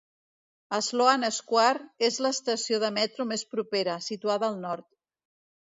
Sloane Square és l'estació de metro més propera, situada al nord.